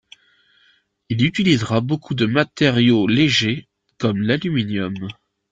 Il utilisera beaucoup de matériaux légers, comme l'aluminium.